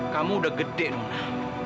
kamu udah gede nona